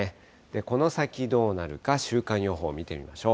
この先どうなるか、週間予報見てみましょう。